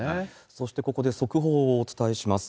そしてここで速報をお伝えします。